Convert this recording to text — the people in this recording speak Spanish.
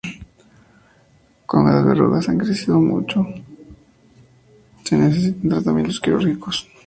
Cuando las verrugas han crecido mucho se necesitan tratamientos quirúrgicos.